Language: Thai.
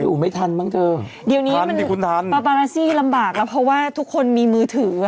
อยู่ไม่ทันมั้งเธอเดี๋ยวนี้คุณทันปาปาราซี่ลำบากแล้วเพราะว่าทุกคนมีมือถืออ่ะ